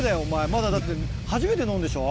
まだだって初めて乗るんでしょ？